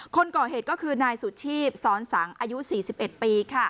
คนก่อเหตุก็คือนายสุชีพสอนสังอายุ๔๑ปี